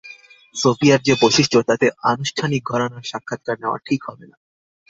সোফিয়ার যে বৈশিষ্ট্য, তাতে আনুষ্ঠানিক ঘরানার সাক্ষাৎকার নেওয়া ঠিক হবে না।